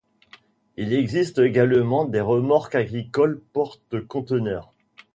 Il existe également des remorques agricoles porte-conteneur.